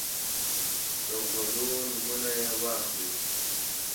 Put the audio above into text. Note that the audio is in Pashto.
د غلو نومونه یې واخلئ.